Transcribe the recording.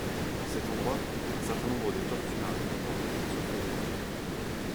En cet endroit, un certain nombre de tortues marines dormaient à la surface des flots.